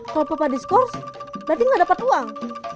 kalau papa diskurs berarti nggak dapat uang